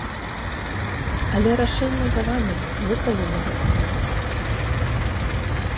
Але рашэнне за вамі, вы павінны гэта зрабіць.